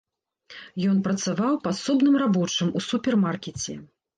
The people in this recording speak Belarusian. Ён працаваў падсобным рабочым у супермаркеце.